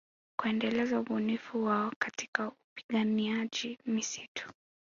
Kuendeleza ubunifu wao katika upiganaji mistuni